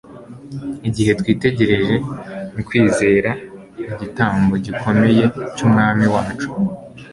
Igihe twitegereje mu kwizera igitambo gikomeye cy'Umwami wacu,